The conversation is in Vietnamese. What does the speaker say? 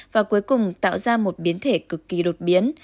và cuối cùng tạo ra một biến thể cực kỳ đột biến